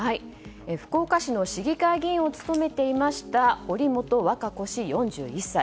福岡市の市議会議員を務めていました堀本和歌子氏、４１歳。